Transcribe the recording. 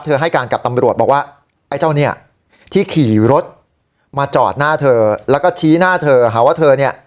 ให้การกับตำรวจบอกว่าไอ้เจ้าเนี่ยที่ขี่รถมาจอดหน้าเธอแล้วก็ชี้หน้าเธอหาว่าเธอเนี่ย